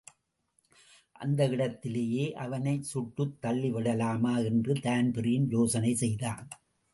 அந்த இடத்திலேயே அவனை சுட்டுத் தள்ளிவிடலாமா என்று தான்பிரீன் யோசனை செய்தான்.